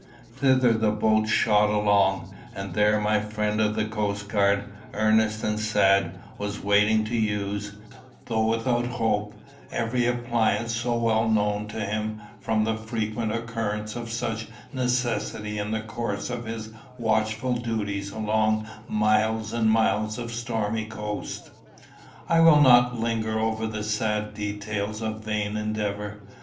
Thither the boat shot along; and there my friend of the coastguard, earnest and sad, was waiting to use, though without hope, every appliance so well known to him from the frequent occurrence of such necessity in the course of his watchful duties along miles and miles of stormy coast. I will not linger over the sad details of vain endeavour.